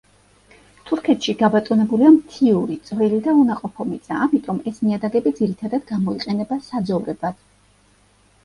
თურქეთში, გაბატონებულია მთიური, წვრილი და უნაყოფო მიწა, ამიტომ, ეს ნიადაგები ძირითადად გამოიყენება საძოვრებად.